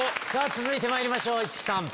続いてまいりましょう市來さん。